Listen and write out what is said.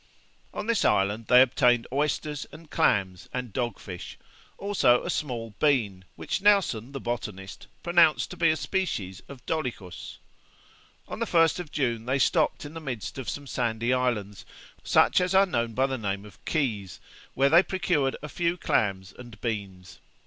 On this island they obtained oysters, and clams, and dog fish; also a small bean, which Nelson, the botanist, pronounced to be a species of dolichos. On the 1st of June, they stopped in the midst of some sandy islands, such as are known by the name of keys, where they procured a few clams and beans.